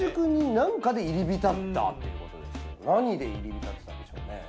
何で入り浸ってたんでしょうね？